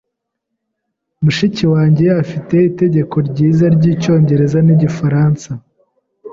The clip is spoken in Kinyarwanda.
Mushiki wanjye afite itegeko ryiza ryicyongereza nigifaransa.